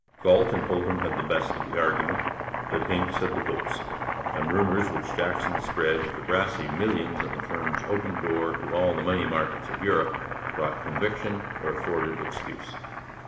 Galt and Holton had the best of the argument, but Hincks had the votes, and rumours which Jackson spread of the Brassey millions and the firm's open door to all the money markets of Europe brought conviction or afforded excuse.